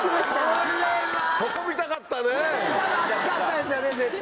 熱かったですよね絶対。